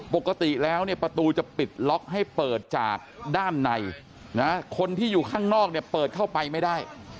ปกติแล้วเนี่ยประตูจะปิดล็อกให้เปิดจากด้านในคนที่อยู่ข้างนอกเนี่ยเปิดเข้าไปไม่ได้